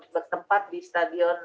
bertempat di stadion